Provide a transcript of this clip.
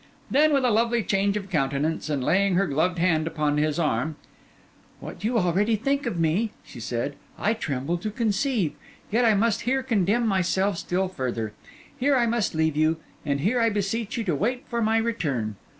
Then, with a lovely change of countenance, and laying her gloved hand upon his arm— 'What you already think of me,' she said, 'I tremble to conceive; yet I must here condemn myself still further. Here I must leave you, and here I beseech you to wait for my return.